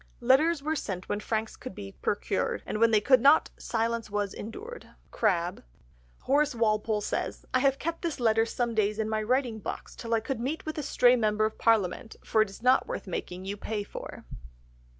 "Letters were sent when franks could be procured, And when they could not, silence was endured." (CRABBE.) Horace Walpole says, "I have kept this letter some days in my writing box till I could meet with a stray member of parliament, for it is not worth making you pay for."